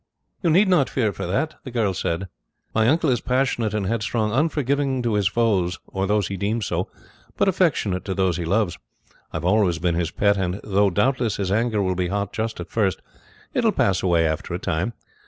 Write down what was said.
"You need not fear for that," the girl replied. "My uncle is passionate and headstrong unforgiving to his foes or those he deems so, but affectionate to those he loves. I have always been his pet; and though, doubtless, his anger will be hot just at first, it will pass away after a time.